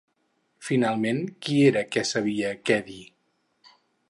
Finalment, qui era que sabia què dir?